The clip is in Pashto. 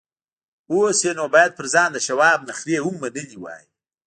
اوس یې نو باید پر ځان د شواب نخرې هم منلې وای